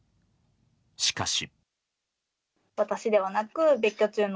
しかし。